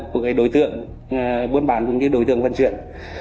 của đối tượng buôn bán đối tượng vận chuyển